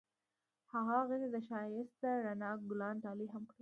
هغه هغې ته د ښایسته رڼا ګلان ډالۍ هم کړل.